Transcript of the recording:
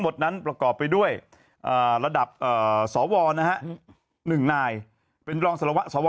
หมดนั้นประกอบไปด้วยระดับสวนะฮะหนึ่งนายเป็นรองสวสว